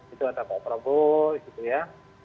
itu ada pak prabowo gitu ya